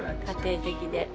家庭的で。